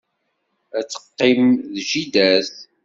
Ad teqqim d jida-s.